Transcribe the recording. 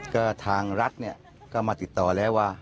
ก็ทางรัฐเนี่ยก็มาติดต่อแล้วว่า